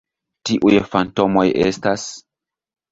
Tiuj fantomoj estas...